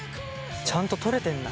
ちゃんととれてんだ。